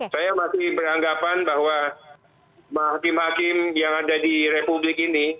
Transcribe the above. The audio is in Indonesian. saya masih beranggapan bahwa hakim hakim yang ada di republik ini